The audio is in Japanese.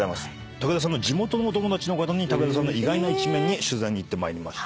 武田さんの地元のお友達の方に武田さんの意外な一面取材に行ってまいりました。